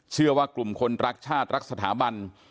เชื่อว่ากลุ่มคนรักชาติรักสถาบัน